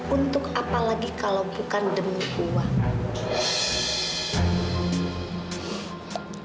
untuk apa lagi kalau bukan demi uang